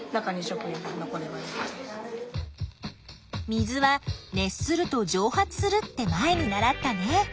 水は熱すると蒸発するって前に習ったね。